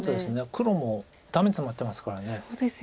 黒もダメツマってますから。